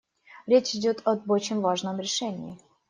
Речь идет об очень важном решении.